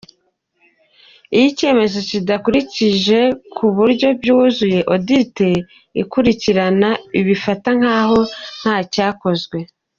Iyo icyemezo kidakurikijwe ku buryo bwuzuye, audit ikurikira ibifata nk’aho nta cyakozwe.